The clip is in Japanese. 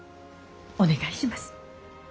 お願いします。